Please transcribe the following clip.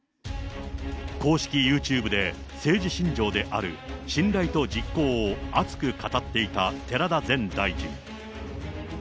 公式ユーチューブで政治信条である信頼と実行を熱く語っていた寺田前大臣。